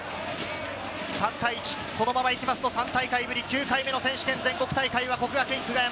３対１、このまま行きますと３大会ぶり９回目の選手権、全国大会は國學院久我山。